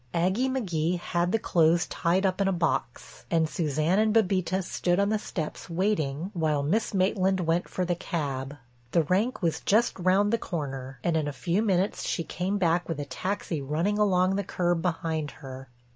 Aggie McGee had the clothes tied up in a box and Suzanne and Bébita stood on the steps waiting while Miss Maitland went for the cab. The rank was just round the corner and in a few minutes she came back with a taxi running along the curb behind her.